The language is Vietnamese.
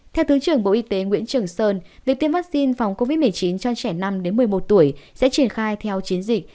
theo thứ trưởng bộ y tế nguyễn trường sơn việc tiêm vaccine phòng covid một mươi chín cho trẻ năm một mươi một tuổi sẽ triển khai theo chiến dịch